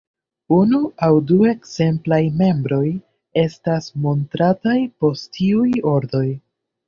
Unu aŭ du ekzemplaj membroj estas montrataj post iuj ordoj.